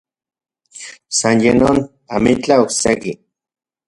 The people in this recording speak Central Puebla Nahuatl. San ye non, amitlaj okse-ki.